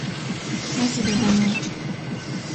まじでごめん